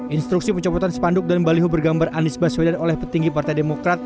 instruksi pencopotan spanduk dan baliho bergambar anies baswedan oleh petinggi partai demokrat